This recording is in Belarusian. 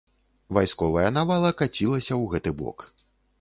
Вайсковая навала кацілася ў гэты бок.